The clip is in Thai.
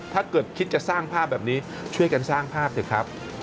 ถ้าเกิดคิดจะสร้างภาพแบบนี้ช่วยกันสร้างภาพเถอะครับ